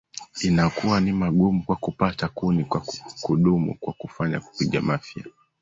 inakuwa ni magumu kwa kupata kuni kwa kudumu kwa kufanya kupiga mafija